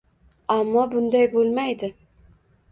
Ammo bunday bo`lmaydi